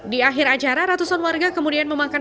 di akhir acara ratusan warga kemudian memakan